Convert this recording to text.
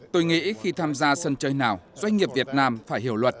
tôi nghĩ khi tham gia sân chơi nào doanh nghiệp việt nam phải hiểu luật